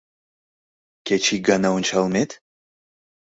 Кеч ик гана ончалмет?